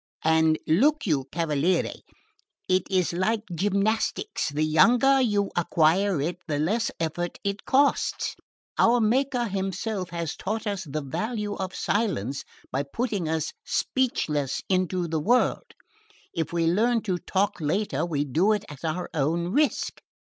And look you, cavaliere, it is like gymnastics: the younger you acquire it, the less effort it costs. Our Maker Himself has taught us the value of silence by putting us speechless into the world: if we learn to talk later we do it at our own risk!